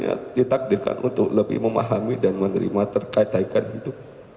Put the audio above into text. saya mengaktifkan untuk lebih memahami dan menerima terkait daikannya itu